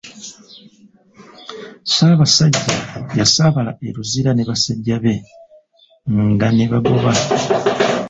Ssaabasajja yasaabala e Luzira ne basajja be nga ne bagoba.